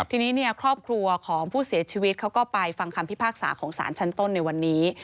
ทีนี้ครอบครัวของผู้เสียชีวิตเขาก็ไปฟังคำพิพากษาของสารชั้นต้นในวันนี้